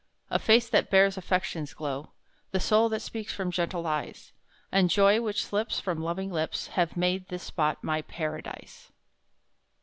A face that bears affection's glow, The soul that speaks from gentle eyes, And joy which slips From loving lips Have made this spot my Paradise!